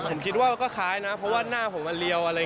ผมคิดว่าก็คล้ายนะเพราะว่าหน้าผมมันเรียวอะไร